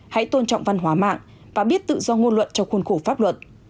hãy tôn trọng văn hóa mạng và biết tự do ngôn luận trong khuôn khổ pháp luật